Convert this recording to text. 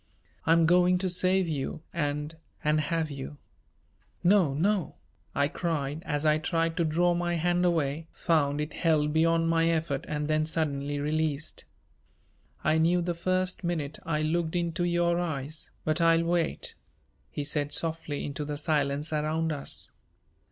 "I'm going to save you and and have you." "No, no!" I cried, as I tried to draw my hand away, found it held beyond my effort and then suddenly released. "I knew the first minute I looked into your eyes, but I'll wait," he said softly into the silence around us.